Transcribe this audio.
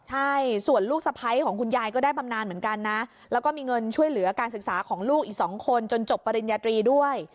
ใช่ส่วนลูกสะพ้ายของคุณยายก็ได้บำนานเหมือนกันนะแล้วก็มีเงินช่วยเหลือการศึกษาของลูกอีก๒คนจนจบปริญญาตรีด้วย